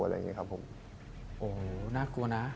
โหน่ากลัวนะ